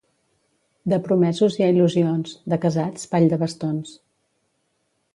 De promesos hi ha il·lusions; de casats, ball de bastons.